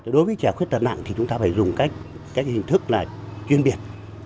đối với trẻ khuyết tật nặng thì chúng ta phải dùng các hình thức là chuyên biệt